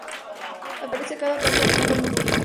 Aparece cada tanto en forma pública.